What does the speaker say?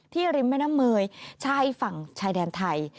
ริมแม่น้ำเมยชายฝั่งชายแดนไทย